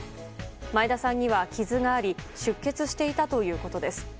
前田さんには傷があり出血していたということです。